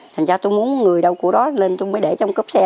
thành ra tôi muốn người đó có thể cắt